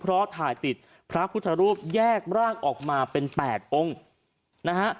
เพราะถ่ายติดพระพุทธรูปแยกร่างออกมาเป็น๘องค์นะฮะ